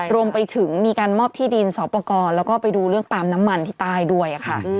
รวมไปถึงมีการมอบที่ดินสอบประกอบแล้วก็ไปดูเรื่องปาล์มน้ำมันที่ใต้ด้วยค่ะ